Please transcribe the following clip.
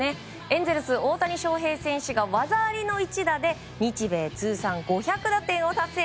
エンゼルス、大谷翔平選手が技ありの一打で日米通算５００打点を達成。